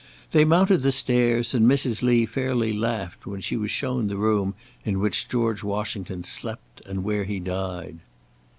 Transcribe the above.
They mounted the stairs, and Mrs. Lee fairly laughed when she was shown the room in which General Washington slept, and where he died.